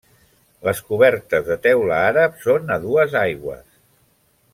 Les cobertes, de teula àrab, són a dues aigües.